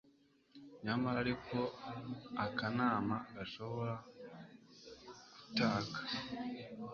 Nyamara ariko Akanama gashobora kutaka